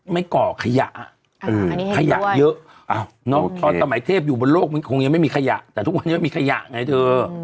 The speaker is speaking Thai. ก่อขยะขยะเยอะตอนสมัยเทพอยู่บนโลกมันคงยังไม่มีขยะแต่ทุกวันนี้มันมีขยะไงเธอ